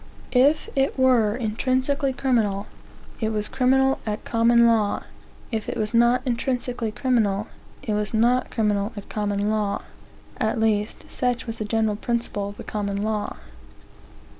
If it were intrinsically criminal, it was criminal at common law. If it was not intrinsically criminal, it was not criminal at common law. (At least, such was the general principle of the common law.